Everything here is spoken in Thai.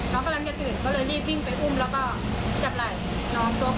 น้องกำลังจะตื่นก็เลยรีบวิ่งไปอุ้มแล้วก็จับไหล่น้องโต๊ะ